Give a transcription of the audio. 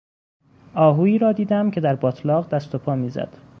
آهویی را دیدم که در باتلاق دست و پا میزد.